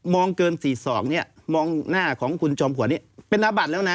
มองเกินสี่ศอกเนี้ยมองหน้าของคุณจมครัวนี้เป็นอาบดแล้วน่ะ